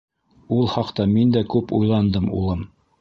Ул хаҡта мин дә күп уйландым, улым.